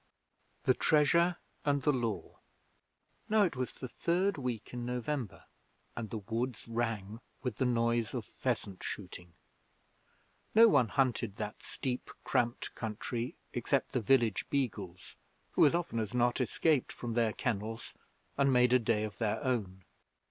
The Treasure and the Law Now it was the third week in November, and the woods rang with the noise of pheasant shooting. No one hunted that steep, cramped country except the village beagles, who, as often as not, escaped from their kennels and made a day of their own.